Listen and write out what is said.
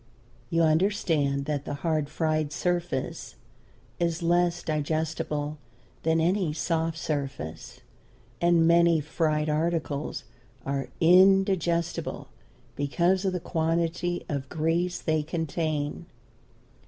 You understand that the hard fried surface is less digestible than any soft surface, and many fried articles are indigestible because of the quantity of grease they contain.